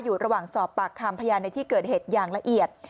อยู่ระหว่างสอบปากคำพยานในที่เกิดเหตุอย่างละเอียด